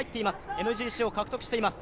ＭＧＣを獲得しています。